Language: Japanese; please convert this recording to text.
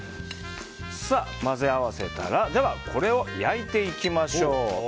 混ぜ合わせたらこれを焼いていきましょう。